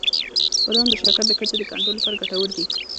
• بادام د شکر د کچې د کنټرول لپاره ګټور دي.